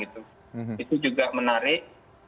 itu juga menarik